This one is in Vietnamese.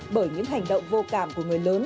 bởi những hành động vô cảm của người lớn